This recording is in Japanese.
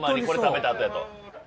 これ食べた後やと。